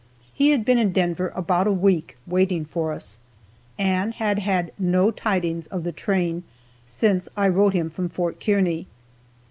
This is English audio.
He had been in Denver over a week waiting for us and had had no tidings of the train since I wrote him from Fort Kearney.